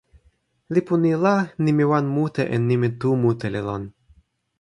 lipu ni la, nimi wan mute en nimi tu mute li lon.